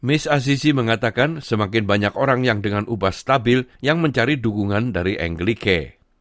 miss aziz mengatakan semakin banyak orang yang dengan ubah stabil yang mencari dukungan dari englike